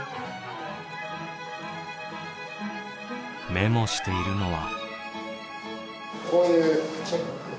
メモしているのは。